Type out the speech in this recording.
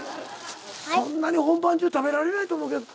そんなに本番中食べられないと思うけど。